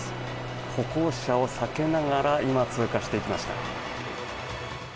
歩行者を避けながら今、通過していきました。